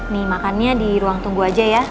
nih makannya di ruang tunggu aja ya